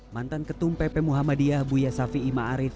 mantan ketum pp muhammadiyah buya safi'i ma'arif